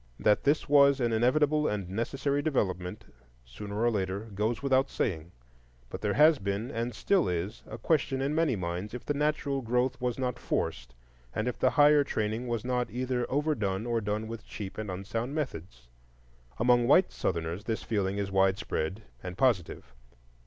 That this was an inevitable and necessary development, sooner or later, goes without saying; but there has been, and still is, a question in many minds if the natural growth was not forced, and if the higher training was not either overdone or done with cheap and unsound methods. Among white Southerners this feeling is widespread and positive.